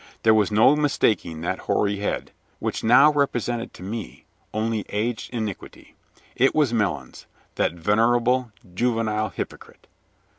There was no mistaking that hoary head, which now represented to me only aged iniquity. It was Melons, that venerable, juvenile hypocrite.